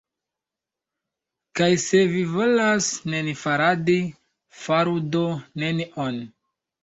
Kaj se vi volas nenifaradi, faru do nenion.